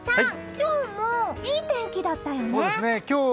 今日もいい天気だったよね。